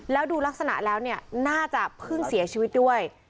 แล้วดูลักษณะแล้วเนี่ยน่าจะเพิ่งเสียชีวิตด้วย